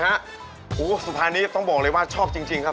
โอ้โฮสุพรรธ์นี่ต้องบอกเลยว่าชอบจริงครับพ่อ